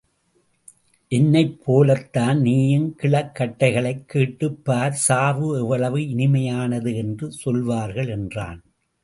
என்னைப்போலத்தான் நீயும் கிழக் கட்டைகளைக் கேட்டுப் பார் சாவு எவ்வளவு இனிமையானது என்று சொல்வார்கள் என்றான்.